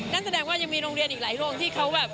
นั่นแสดงว่ายังมีโรงเรียนอีกหลายโรงที่เขาแบบ